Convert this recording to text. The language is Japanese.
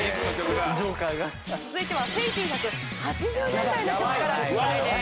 続いては１９８０年代の曲から出題です。